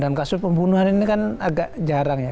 dan kasus pembunuhan ini kan agak jarang ya